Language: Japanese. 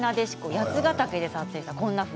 八ヶ岳で撮影されました。